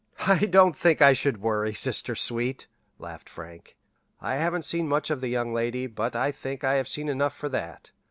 "I don't think I should worry, sister sweet," laughed Frank. "I haven't seen much of the young lady, but I think I have seen enough for that.